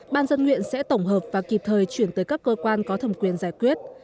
ban dân nguyện sẽ tổng hợp và kịp thời chuyển tới các cơ quan có thẩm quyền giải quyết